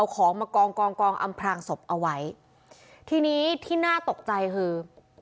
ของมากองกองอำพลางศพเอาไว้ทีนี้ที่น่าตกใจคือ